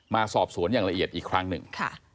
มาสอบสวนอย่างละเอียดอีกครั้งหนึ่ง